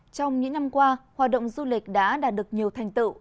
trong những năm qua hoạt động du lịch đã đạt được nhiều thành tựu